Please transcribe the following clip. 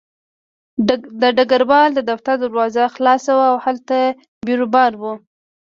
د ډګروال د دفتر دروازه خلاصه وه او هلته بیروبار و